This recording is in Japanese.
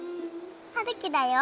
はるきだよ。